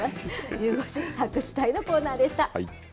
ゆう５時発掘隊のコーナーでした。